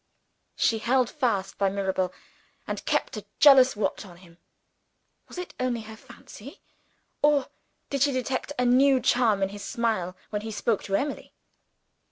She held fast by Mirabel, and kept a jealous watch on him. Was it only her fancy? or did she detect a new charm in his smile when he spoke to Emily?